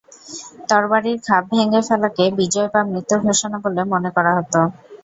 তরবারির খাপ ভেঙ্গে ফেলাকে বিজয় বা মৃত্যুর ঘোষণা বলে মনে করা হত।